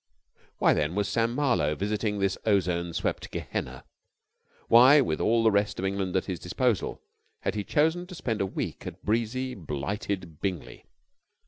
Why, then, was Sam Marlowe visiting this ozone swept Gehenna? Why, with all the rest of England at his disposal, had he chosen to spend a week at breezy, blighted Bingley?